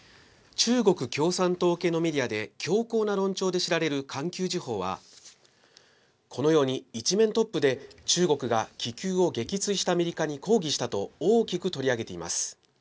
中国共産党系のメディアで強硬な論調で知られる環球時報はこのように１面トップで中国が気球を撃墜したアメリカに抗議したと大きく取り上げています。